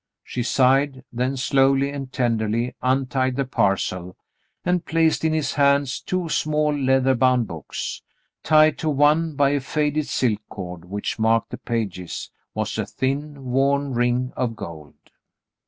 She sighed, then slowly and tenderly untied the parcel and placed in his hands two small leather bound books. Tied to one by a faded silk cord which marked the pages was a thin, worn ring of gold.